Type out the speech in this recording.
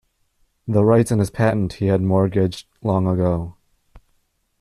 The rights in his patent he had mortgaged long ago.